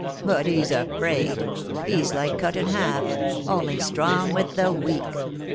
But he's afraid; he's like Cut in Half, only strong with the weak."